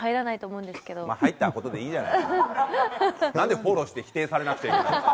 なんでフォローして否定されなくちゃいけない。